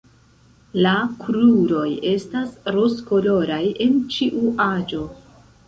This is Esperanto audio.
La kruroj estas rozkoloraj en ĉiu aĝo.